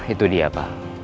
itu dia pak